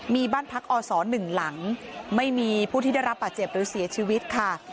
มีบ้านพักอสหนึ่งหลังไม่มีผู้ที่ได้รับบาดเจ็บหรือเสียชีวิตค่ะ